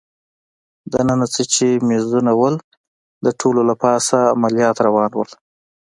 دننه څه چي مېزونه ول، د ټولو له پاسه عملیات روان ول.